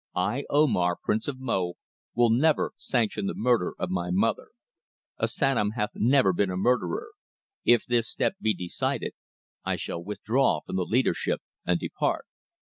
I, Omar, Prince of Mo, will never sanction the murder of my mother. A Sanom hath never been a murderer. If this step be decided, I shall withdraw from the leadership and depart."